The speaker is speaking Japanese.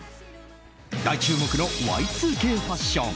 大注目のＹ２Ｋファッション。